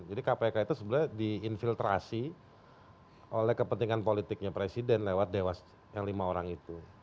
jadi kpk itu sebenarnya di infiltrasi oleh kepentingan politiknya presiden lewat dewas yang lima orang itu